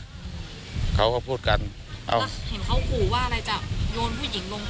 เห็นเขากลัวว่าจะโยนผู้หญิงลงตุ๊กหรืออะไรยังไงครับ